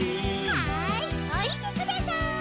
はいおりてください。